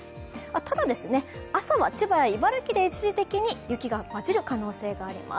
ただ、朝は千葉や茨城などで一時的に雪が混じる可能性があります。